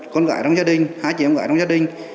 con gái trong gia đình hai chị em gái trong gia đình